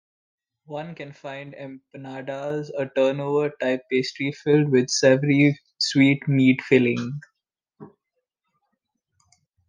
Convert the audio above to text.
One can find empanadas, a turnover-type pastry filled with a savory-sweet meat filling.